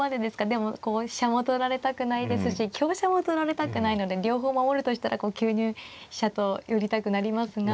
でもこう飛車も取られたくないですし香車も取られたくないので両方守るとしたら９二飛車と寄りたくなりますが。